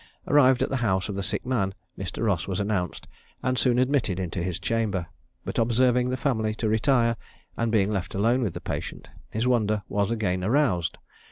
Arrived at the house of the sick man, Mr. Ross was announced, and soon admitted into his chamber; but observing the family to retire, and being left alone with the patient, his wonder was again aroused.